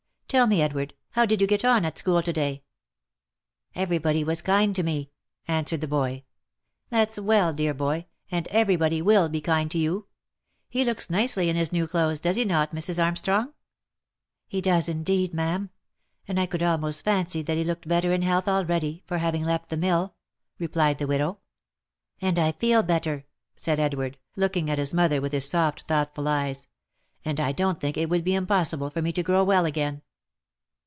Tell me, Edward, how did you get on at school to day?" " Every body was kind to me," answered the boy. " That's well, dear boy, and every body will be kind to you. He looks nicely in his new clothes, does he not, Mrs. Armstrong?" M He does indeed, ma'am ! and I could almost fancy that he looked better in health already, for having left the mill," replied the widow. u And I feel better," said Edward, looking at his mother with his soft thoughtful eyes, " and I don't think that it would be impossible for me to grow well again."